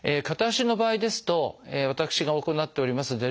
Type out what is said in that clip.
片足の場合ですと私が行っております